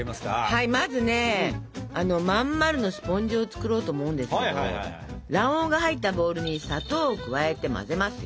はいまずねまん丸のスポンジを作ろうと思うんですけど卵黄が入ったボウルに砂糖を加えて混ぜますよ。